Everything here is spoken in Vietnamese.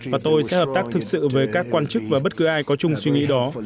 và tôi sẽ hợp tác thực sự với các quan chức và bất cứ ai có chung suy nghĩ đó